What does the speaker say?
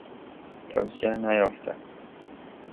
توسعه نیافته